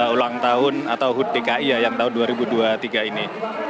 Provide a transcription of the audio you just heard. ulang tahun atau hud dki yang tahun dua ribu dua puluh tiga ini